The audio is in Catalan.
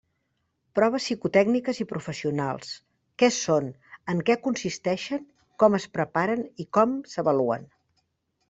Proves psicotècniques i professionals: què són, en què consisteixen, com es preparen i com s'avaluen.